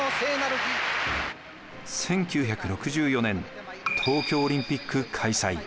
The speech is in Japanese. １９６４年東京オリンピック開催。